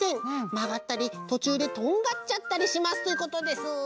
まがったりとちゅうでとんがっちゃったりします」ということです。